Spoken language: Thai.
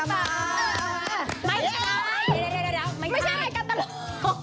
ไม่ใช่ตลก